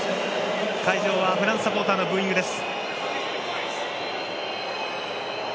会場はフランスサポーターのブーイングです。